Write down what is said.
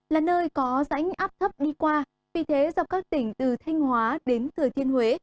là nơi có rãnh áp thấp đi qua vì thế dọc các tỉnh từ thanh hóa đến thừa thiên huế